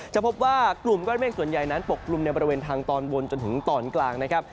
จะพบว่ากลุ่มก้อนเมฆส่วนใหญ่นั้นปกกลุ่มในบริเวณทางตอนบนจนถึงตอนกลางนะครับ